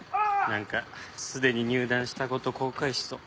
なんかすでに入団した事後悔しそう。